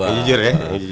yang jujur ya